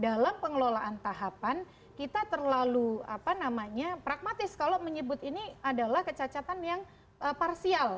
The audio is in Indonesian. kalau misalnya ada dampak terhadap kecacatan teknis dalam pengelolaan tahapan kita terlalu pragmatis kalau menyebut ini adalah kecacatan yang parsial